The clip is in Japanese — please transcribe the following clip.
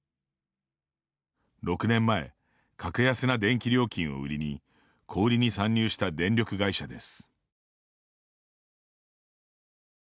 ６年前、格安な電気料金を売りに小売りに参入した電力会社です。